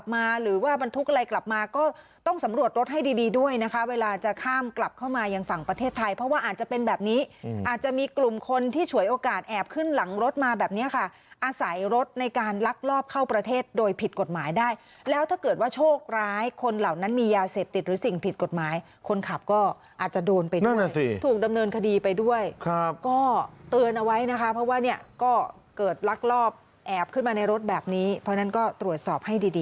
มาก็ต้องสำรวจรถให้ดีดีด้วยนะคะเวลาจะข้ามกลับเข้ามายังฝั่งประเทศไทยเพราะว่าอาจจะเป็นแบบนี้อืมอาจจะมีกลุ่มคนที่ฉวยโอกาสแอบขึ้นหลังรถมาแบบเนี้ยค่ะอาศัยรถในการลักลอบเข้าประเทศโดยผิดกฎหมายได้แล้วถ้าเกิดว่าโชคร้ายคนเหล่านั้นมียาเศษติดหรือสิ่งผิดกฎหมายคนขับก็อ